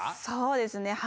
そうですね。